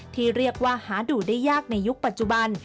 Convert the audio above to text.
ที่เรียกว่าหาดูได้ยากในยุคปัจจุบัน